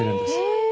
へえ。